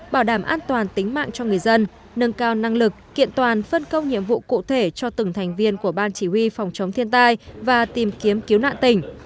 bảo đảm an toàn tính mạng cho người dân nâng cao năng lực kiện toàn phân công nhiệm vụ cụ thể cho từng thành viên của ban chỉ huy phòng chống thiên tai và tìm kiếm cứu nạn tỉnh